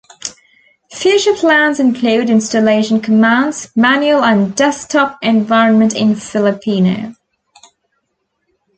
Future plans include installation commands, manual and desktop environment in Filipino.